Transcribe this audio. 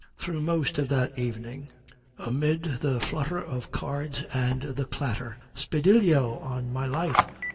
Through most of that evening, amid the flutter of cards and the clatter "Spadillio, on my life!